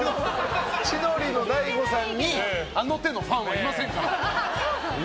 千鳥の大悟さんにあの手のファンはいませんから。